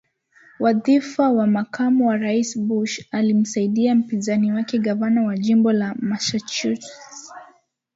wadhifa wa makamu wa rais Bush alimshinda mpinzani wake Gavana wa jimbo la Massachusetts